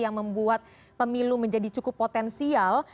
yang membuat pemilu menjadi cukup potensial